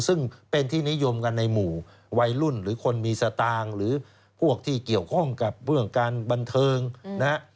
ซึ่งเป็นที่นิยมกันในหมู่วัยรุ่นหรือคนมีสตางค์หรือพวกที่เกี่ยวข้องกับเรื่องการบันเทิงนะฮะ